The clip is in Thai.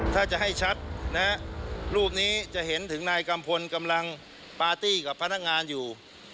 ถ้าจะให้ชัดนะฮะรูปนี้จะเห็นถึงนายกัมพลกำลังปาร์ตี้กับพนักงานอยู่